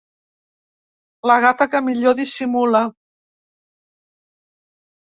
La gata que millor dissimula.